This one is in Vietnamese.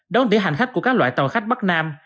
đón tỷ hành khách của các loại tàu khách bắc nam